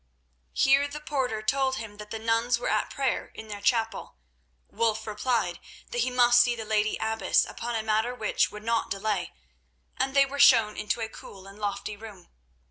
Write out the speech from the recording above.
Here the porter told him that the nuns were at prayer in their chapel. Wulf replied that he must see the lady abbess upon a matter which would not delay, and they were shown into a cool and lofty room.